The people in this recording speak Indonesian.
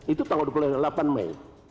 itu tanggal dua puluh delapan mei